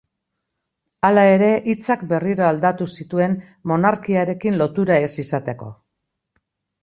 Hala ere hitzak berriro aldatu zituen monarkiarekin lotura ez izateko.